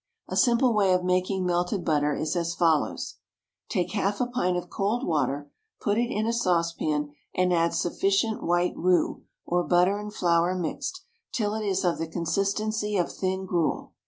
A simple way of making melted butter is as follows: Take half a pint of cold water, put it in a saucepan, and add sufficient white roux, or butter and flour mixed, till it is of the consistency of thin gruel.